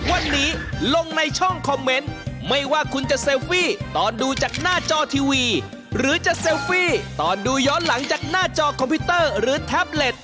วันนี้ลงในช่องคอมเมนต์ไม่ว่าคุณจะเซลฟี่ตอนดูจากหน้าจอทีวีหรือจะเซลฟี่ตอนดูย้อนหลังจากหน้าจอคอมพิวเตอร์หรือแท็บเล็ต